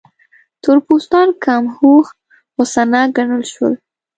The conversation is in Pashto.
تور پوستان کم هوښ، غوسه ناک ګڼل شول.